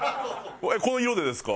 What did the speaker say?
この色でですか？